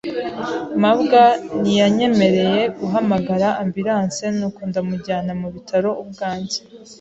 mabwa ntiyanyemereye guhamagara ambulance nuko ndamujyana mu bitaro ubwanjye.